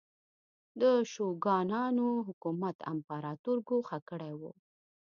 د شوګانانو حکومت امپراتور ګوښه کړی و.